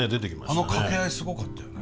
あの掛け合いすごかったよね。